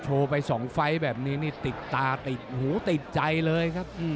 ไป๒ไฟล์แบบนี้นี่ติดตาติดหูติดใจเลยครับ